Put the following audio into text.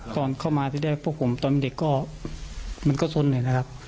ก่อนเข้ามาที่แรกพวกผมตอนเด็กก็มันก็สนเลยนะครับ